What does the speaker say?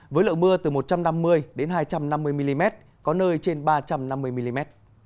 với lượng mưa từ một trăm năm mươi đến hai trăm năm mươi mm có nơi trên ba trăm năm mươi mm